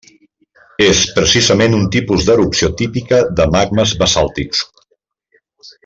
És precisament un tipus d'erupció típica de magmes basàltics.